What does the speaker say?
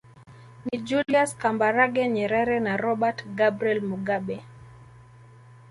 Ni Julius Kambarage Nyerere na Robert Gabriel Mugabe